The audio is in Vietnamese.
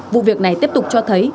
vụ việc này tiếp tục cho thấy